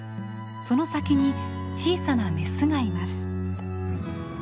その先に小さなメスがいます。